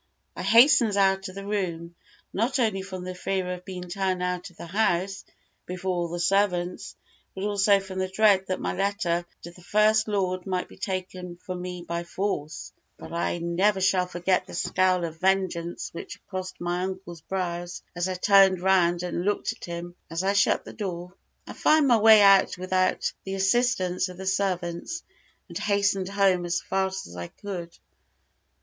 I hastened out of the room, not only from the fear of being turned out of the house before all the servants, but also from the dread that my letter to the first Lord might be taken from me by force; but I never shall forget the scowl of vengeance which crossed my uncle's brows as I turned round and looked at him as I shut the door. I found my way out without the assistance of the servants, and hastened home as fast as I could.